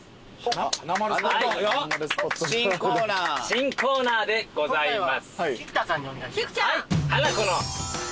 新コーナーでございます。